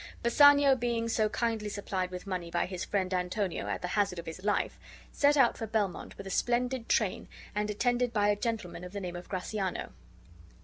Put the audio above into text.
Bassanio being so kindly supplied with money by his friend Antonio, at the hazard of his life, set out for Belmont with a splendid train and attended by a gentleman of the name of Gratiano.